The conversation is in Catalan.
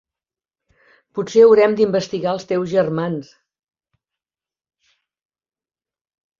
Potser haurem d'investigar els teus germans.